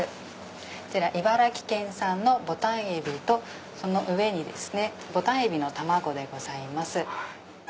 こちら茨城県産のボタンエビとその上にボタンエビの卵でございます。